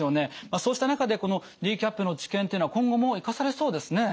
そうした中でこのＤＣＡＰの知見というのは今後も生かされそうですね。